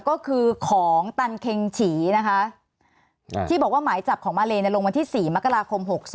ก็คือของตันเค็งฉีนะคะที่บอกว่าหมายจับของมาเลลงวันที่๔มกราคม๖๒